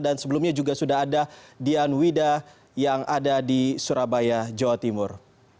dan sebelumnya juga sudah ada dian wida yang ada di surabaya jawa timur